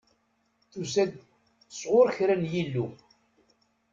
Tusa-d sɣur kra n yillu.